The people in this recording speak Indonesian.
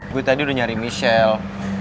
gue tadi udah nyari michelle